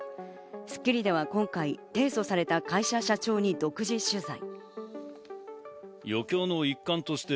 『スッキリ』では今回、提訴された会社社長に独自取材。